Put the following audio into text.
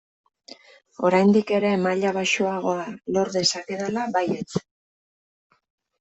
Oraindik ere maila baxuagoa lor dezakedala baietz!